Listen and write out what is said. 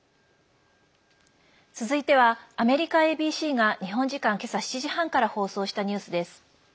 続いてはアメリカＡＢＣが日本時間、今朝７時半から放送したニュースです。